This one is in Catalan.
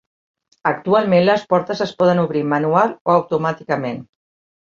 Actualment les portes es poden obrir manual o automàticament.